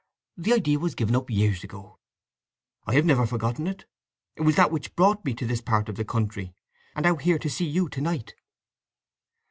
The idea was given up years ago." "I have never forgotten it. It was that which brought me to this part of the country, and out here to see you to night."